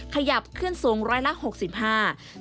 ขยับขึ้นสูง๑๖๕บาท